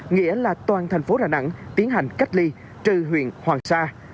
nghĩa là toàn thành phố đà nẵng tiến hành cách ly trừ huyện hoàng sa